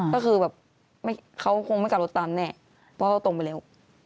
ก็คือแบบเขาคงไม่กลับรถตามแน่เพราะเขาตรงไปแล้ว